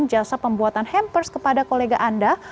anda bisa tawarkan jasa pembuatan hampers kepada kolega anda